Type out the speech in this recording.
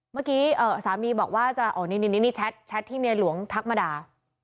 เมื่อกี้สามีบอกว่าจะนี่แชทที่เมียหลวงทักมาด่า